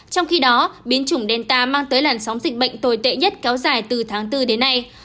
trong khi đó biến chủng delta mang tới làn sóng dịch bệnh tồi tệ nhất kéo dài từ tháng bốn đến nay